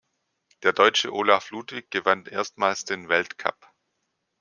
Der Deutsche Olaf Ludwig gewann erstmals den Weltcup.